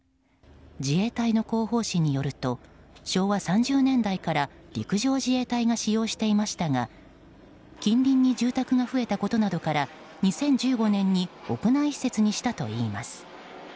自衛隊の広報誌によると昭和３０年代から陸上自衛隊が使用していましたが近隣に住宅が増えたことから２０１５年に屋内施設にしたといいます。